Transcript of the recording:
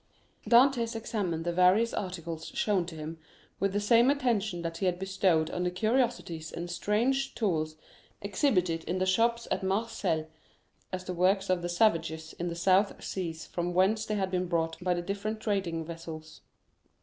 Dantès examined the various articles shown to him with the same attention that he had bestowed on the curiosities and strange tools exhibited in the shops at Marseilles as the works of the savages in the South Seas from whence they had been brought by the different trading vessels.